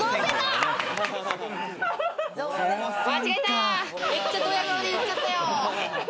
間違えた、めっちゃドヤ顔で言っちゃったよ。